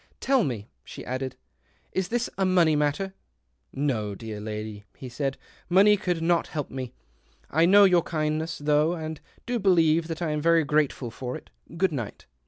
" Tell me," she added, " is this a money matter ?" "No, dear lady," he said. " Money could not help me. I know your kindness though, and do believe that I am very grateful for it. Good night."